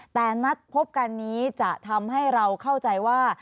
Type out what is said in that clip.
แต่นัดพบกันนี้จะทำให้เราเข้าใจว่า